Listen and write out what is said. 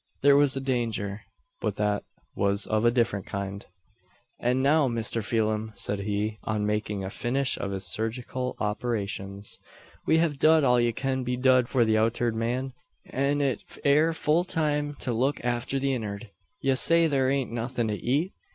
There was a danger; but that was of a different kind. "An' now, Mister Pheelum," said he, on making a finish of his surgical operations; "we hev dud all thet kin be dud for the outard man, an it air full time to look arter the innard. Ye say thur ain't nuthin to eet?"